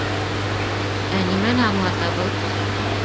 — Ә нимәне аңлата был?